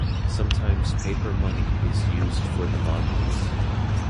Sometimes paper money is used for the modules.